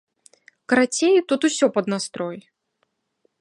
Карацей, тут усё пад настрой.